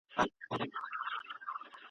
خزانونه رخصتیږي نوبهار په سترګو وینم !.